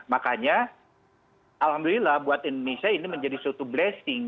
makanya alhamdulillah buat indonesia ini menjadi suatu blessing